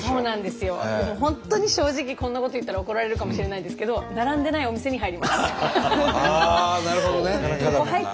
でも本当に正直こんなこと言ったら怒られるかもしれないんですけどああなるほどね。